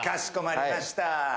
かしこまりました。